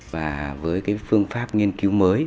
và với cái phương pháp nghiên cứu mới